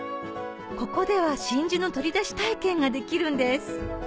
ここでは真珠の取り出し体験ができるんです